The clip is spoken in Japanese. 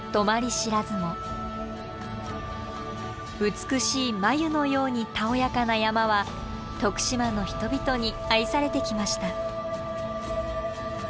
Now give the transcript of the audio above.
美しい眉のようにたおやかな山は徳島の人々に愛されてきました。